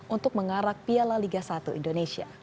untuk mengarak piala liga satu indonesia